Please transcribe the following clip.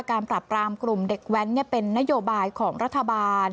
การปรับรามกลุ่มเด็กแว้นเป็นนโยบายของรัฐบาล